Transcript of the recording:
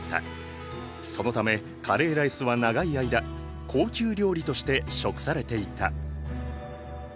そのためカレーライスは長い間高級料理として食されていた。